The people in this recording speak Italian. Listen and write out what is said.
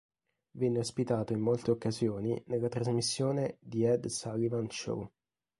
Venne ospitato in molte occasione nella trasmissione "The Ed Sullivan Show".